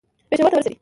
پېښور ته ورسېدی.